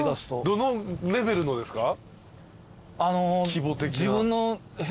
どのレベルのですか？